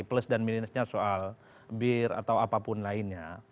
plus dan minusnya soal bir atau apapun lainnya